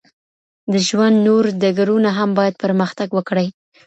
د ژوند نور ډګرونه هم باید پرمختګ وکړي.